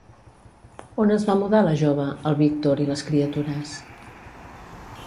On es va mudar la jove, el Víctor i les criatures?